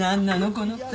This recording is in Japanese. この２人。